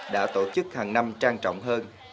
đã tổ chức hàng năm trang trọng hơn